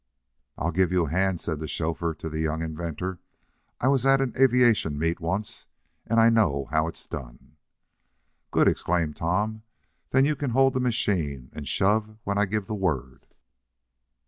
"I'll give you a hand," said the chauffeur to the young inventor. "I was at an aviation meet once, and I know how it's done." "Good," exclaimed Tom. "Then you can hold the machine, and shove when I give the word."